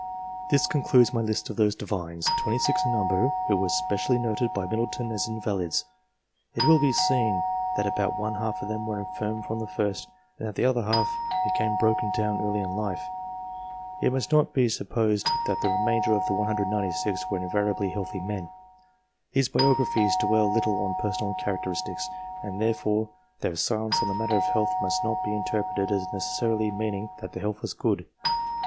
This concludes my list of those Divines, 26 in number, who were specially noted by Middleton as invalids. It will be seen that about one half of them were infirm from the first, and that the other half became broken down early in life. It must not be supposed that the remainder of the 196 were invariably healthy men. These biographies dwell little on personal characteristics, and therefore their silence on the matter of health must not be interpreted as neces sarily meaning that the health was good.